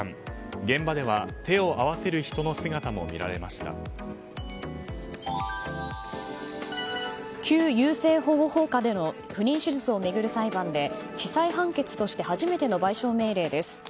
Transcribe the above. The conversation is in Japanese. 現場では手を合わせる人の姿も旧優生保護法下での不妊手術を巡る裁判で地裁判決として初めての賠償命令です。